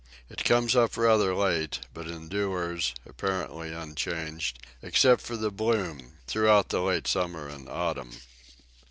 It comes up rather late, but endures, apparently unchanged, except for the bloom, throughout the late summer and autumn.